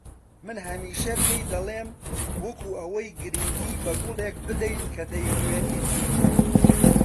من هەمیشە پێی دەڵێم وەکو ئەوەی گرنگی بە گوڵێک بدەیت کە دەیڕوێنیت